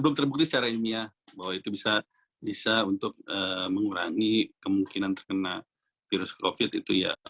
belum terbukti secara ilmiah bahwa itu bisa untuk mengurangi kemungkinan terkena virus covid itu ya